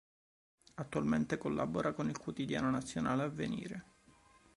Attualmente collabora con il quotidiano nazionale Avvenire.